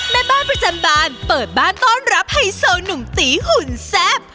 แม่บ้านประจำบานเปิดบ้านต้อนรับไฮโซหนุ่มตีหุ่นแซ่บ